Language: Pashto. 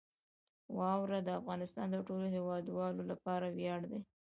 واوره د افغانستان د ټولو هیوادوالو لپاره ویاړ دی.